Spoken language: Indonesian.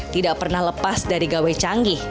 tidak pernah lepas dari gawe canggih